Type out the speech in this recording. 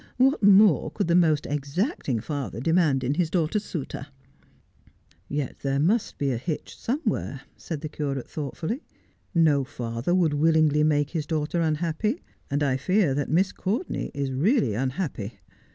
What more could the most exacting father demand in his daughter's suitor 1 ' 'Yet there must be a hitch somewhere,' said the curate thoughtfully. 'No father would willingly make his daughter unhappy ; and I fear that Miss Courtenay is really unhappy.